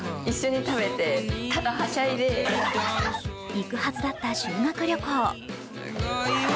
行くはずだった修学旅行。